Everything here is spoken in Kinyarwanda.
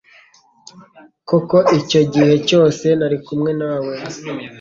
Koko icyo gihe cyose nari kumwe nawe